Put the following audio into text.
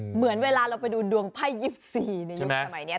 เหมือนเวลาเราไปดูดวงไพ่๒๔ในยุคสมัยนี้